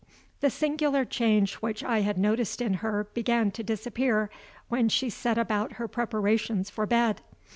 The singular change which I had noticed in her began to disappear, when she set about her preparations for bed.